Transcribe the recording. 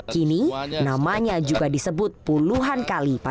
setia vanto menerima pemberian dari kppi